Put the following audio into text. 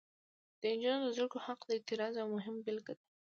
د نجونو د زده کړې حق د اعتراض یوه مهمه بیلګه ده.